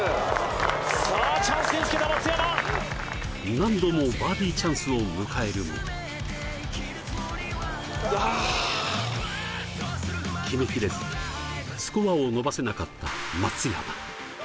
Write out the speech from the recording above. なんどもバーディーチャンスを迎えるも決めきれず、スコアを伸ばせなかった松山。